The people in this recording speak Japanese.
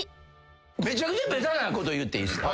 めちゃくちゃべたなこと言っていいっすか？